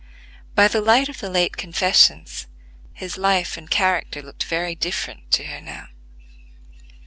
By the light of the late confessions, his life and character looked very different to her now.